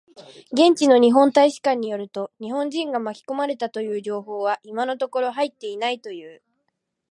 現地の日本大使館によると、日本人が巻き込まれたという情報は今のところ入っていないという。